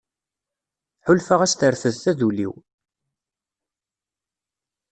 Ḥulfaɣ-as terfed taduli-w.